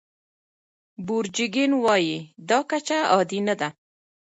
بورجیګین وايي دا کچه عادي نه ده.